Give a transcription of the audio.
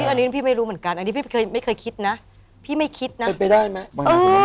อันนี้พี่ไม่รู้เหมือนกันอันนี้พี่เคยไม่เคยคิดนะพี่ไม่คิดนะเป็นไปได้ไหม